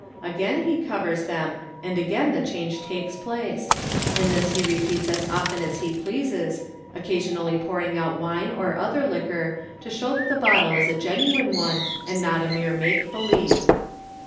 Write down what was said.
Again he covers them, and again the change takes place j and this he repeats as often as he pleases, occasionally pouring out wine or other liquor, to show that the bottle is a genuine one, and not a mere make believe.